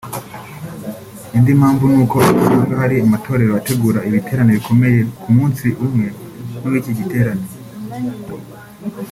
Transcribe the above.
Indi mpamvu nuko usanga hari amatorero ategura ibiterane bikomeye ku munsi umwe n'uw'iki giterane